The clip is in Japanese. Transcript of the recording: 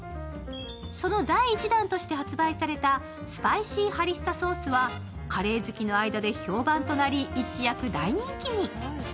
その第一弾として発売されたスパイシーハリッサソースはカレー好きの間で評判となり一躍大人気に。